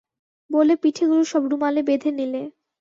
বলে পিঠেগুলো সব রুমালে বেঁধে নিলে।